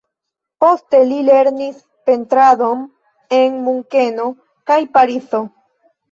Poste li lernis pentradon en Munkeno kaj Parizo.